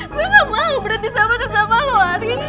gue gak mau berhenti sahabatan sama lo rin